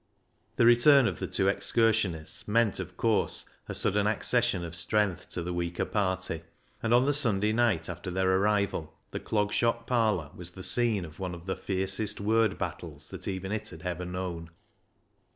The return of the two excursionists meant, of course, a sudden accession of strength to the weaker party, and on the Sunday night after their arrival the Clog Shop parlour was 344 BECKSIDE LIGHTS the scene of one of the fiercest word battles that even it had ever known.